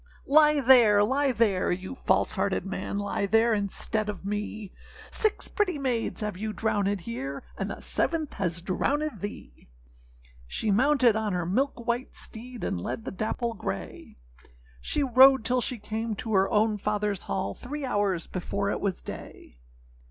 â âLie there, lie there, you false hearted man, Lie there instead of me; Six pretty maids have you drownèd here, And the seventh has drownèd thee.â She mounted on her milk white steed, And led the dapple grey, She rode till she came to her own fatherâs hall, Three hours before it was day.